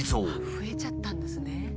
増えちゃったんですね。